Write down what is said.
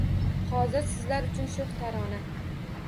Hozir sizlar uchun sho’x tarona